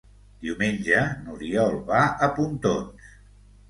Diumenge n'Oriol va a Pontons.